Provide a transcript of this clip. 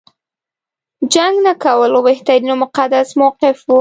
جنګ نه کول بهترین او مقدس موقف و.